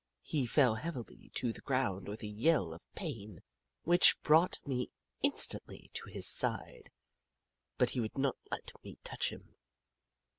He fell heavily to the ground with a yell of pain which brought me instantly to his side, but he would not let me touch him.